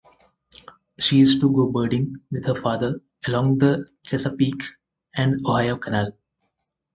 She used to go birding with her father along the Chesapeake and Ohio Canal.